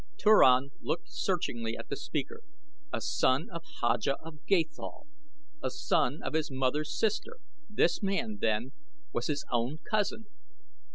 Turan looked searchingly at the speaker. A son of Haja of Gathol! A son of his mother's sister, this man, then, was his own cousin.